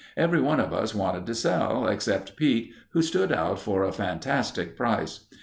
Everyone of us wanted to sell, except Pete who stood out for a fantastic price.